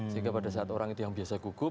sehingga pada saat orang itu yang biasa gugup